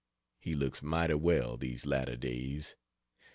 He looks mighty well, these latter days.